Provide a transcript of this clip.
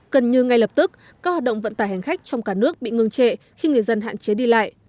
gần như ngay lập tức các hoạt động vận tải hành khách trong cả nước bị ngưng trệ khi người dân hạn chế đi lại